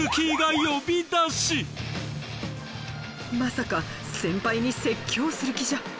まさか先輩に説教する気じゃ。